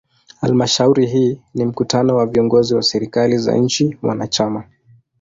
Halmashauri hii ni mkutano wa viongozi wa serikali za nchi wanachama.